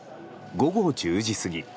午後１０時過ぎ。